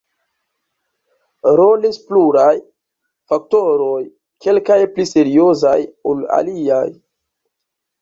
Rolis pluraj faktoroj, kelkaj pli seriozaj ol aliaj.